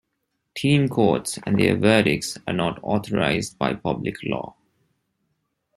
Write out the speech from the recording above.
Teen courts and their verdicts are not authorized by public law.